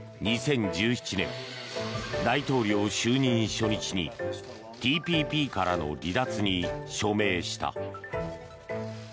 ２０１７年、大統領就任初日にＴＰＰからの離脱に署名した。